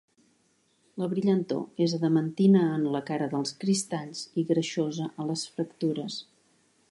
La brillantor és adamantina en la cara dels cristalls i greixosa a les fractures.